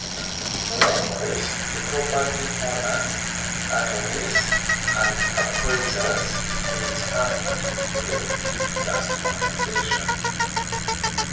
Likewise, the property owner's attorneys' and appraisers' fees are not included in just compensation.